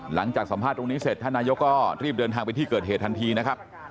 หลังจากสัมภาษณ์ตรงนี้เสร็จท่านนายกก็รีบเดินทางไปที่เกิดเหตุทันทีนะครับ